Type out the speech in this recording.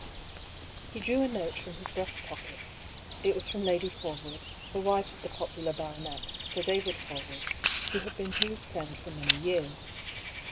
He drew a note from his breast pocket. It was from Lady Forwood, the wife of the popular baronet. Sir David Forwood, who had been Hugh's friend for many years.